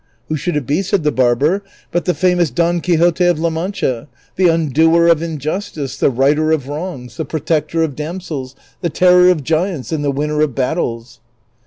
" Who should it be," said the barber, " but the famous Don Quixote of La Mancha, the undoer of injustice, the righter of wrongs, the protector of damsels, the terror of giants, and the winner of battles